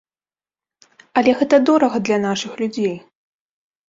Але гэта дорага для нашых людзей!